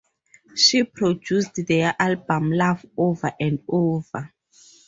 She produced their album "Love Over and Over".